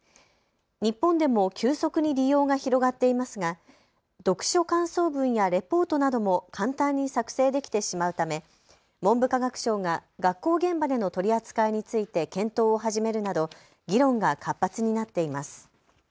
日本でも急速に利用が広がっていますが、読書感想文やレポートなども簡単に作成できてしまうため文部科学省が学校現場での取り扱いについて検討を始めるなど議論が活発になっています。